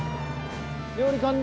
料理完了。